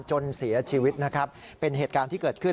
จนเสียชีวิตนะครับเป็นเหตุการณ์ที่เกิดขึ้น